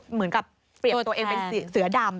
เหมือนกับเปลี่ยนตัวเองเป็นเสือดำ